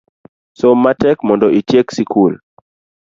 Som matek mondo itiek sikul